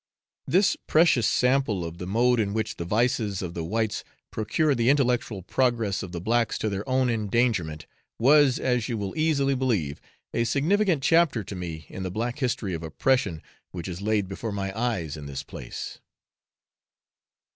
This precious sample of the mode in which the vices of the whites procure the intellectual progress of the blacks to their own endangerment, was, as you will easily believe, a significant chapter to me in the black history of oppression which is laid before my eyes in this place.